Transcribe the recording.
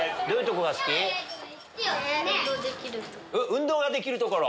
「運動ができるところ」。